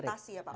kopitasi ya pak